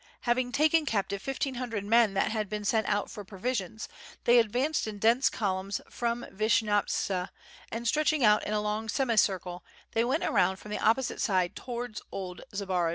Having taken captive fifteen hundred men that had been sent out for provisions, they advanced in dense columns from Vishnyovtsa, and stretching out in a long semicircle they went around from the opposite side towards old Zbaraj.